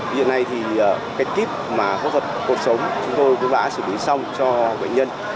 bây giờ này thì cái kíp mà phẫu thuật cuộc sống chúng tôi cũng đã xử lý xong cho bệnh nhân